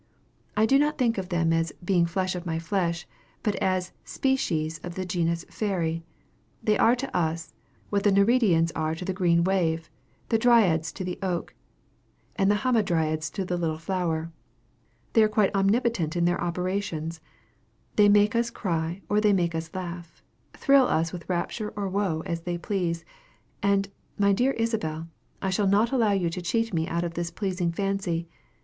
I do not think of them as "being flesh of my flesh," but as a species of the genus fairy. They are to us, what the Nereides are to the green wave, the Dryades to the oak, and the Hamadryades to the little flower. They are quite omnipotent in their operations. They make us cry or they make us laugh; thrill us with rapture or woe as they please. And, my dear Isabel, I shall not allow you to cheat me out of this pleasing fancy.